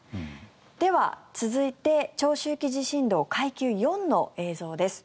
では、続いて長周期地震動階級４の映像です。